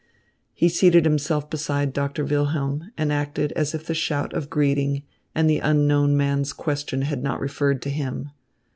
He seated himself beside Doctor Wilhelm and acted as if the shout of greeting and the unknown man's question had not referred to him.